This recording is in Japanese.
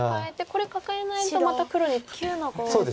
これカカえないとまた黒に打たれて。